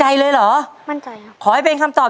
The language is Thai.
ใช่นักร้องบ้านนอก